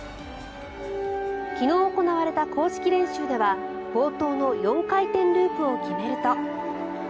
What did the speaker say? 昨日行われた公式練習では冒頭の４回転ループを決めると。